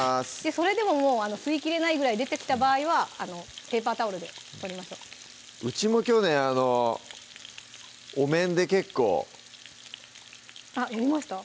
それでも吸いきれないぐらい出てきた場合はペーパータオルで取りましょううちも去年お面で結構やりました？